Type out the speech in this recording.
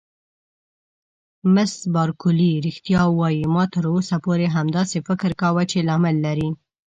مس بارکلي: رښتیا وایې؟ ما تر اوسه پورې همداسې فکر کاوه چې لامل لري.